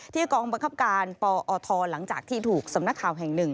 กองบังคับการปอทหลังจากที่ถูกสำนักข่าวแห่งหนึ่ง